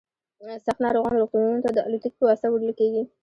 سخت ناروغان روغتونونو ته د الوتکې په واسطه وړل کیږي